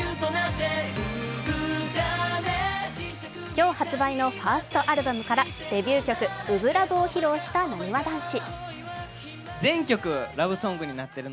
今日発売のファーストアルバムから、デビュー曲「初心ＬＯＶＥ」を披露したなにわ男子。